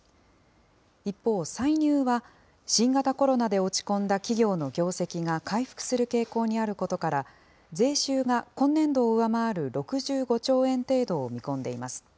一方、歳入は、新型コロナで落ち込んだ企業の業績が回復する傾向にあることから、税収が今年度を上回る６５兆円程度を見込んでいます。